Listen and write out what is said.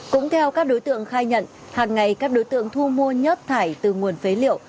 cũng theo các đối tượng khai nhận hàng ngày các đối tượng thu mua nhớt thải từ nguồn phế liệu